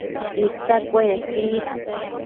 Isa cueneque is